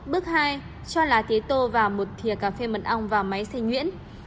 bước hai cho lá tế tô vào một thịa cà phê mật ong vào máy xay nhuyễn